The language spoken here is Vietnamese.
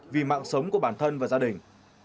vì mạng sống của bản thân và gia đình